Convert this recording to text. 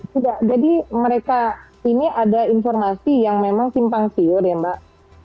sudah jadi mereka ini ada informasi yang memang simpang siur ya mbak